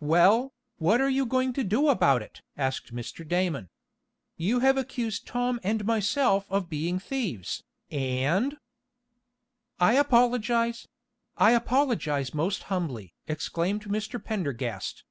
"Well, what are you going to do about it?" asked Mr. Damon. "You have accused Tom and myself of being thieves, and " "I apologize I apologize most humbly!" exclaimed Mr. Pendergast.